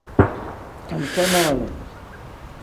Alifa nole.